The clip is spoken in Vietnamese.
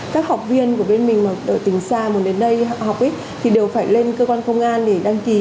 các học viên của bên mình mà ở tỉnh xa muốn đến đây họ học thì đều phải lên cơ quan công an để đăng ký